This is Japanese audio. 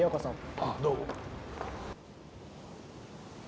あっどうも。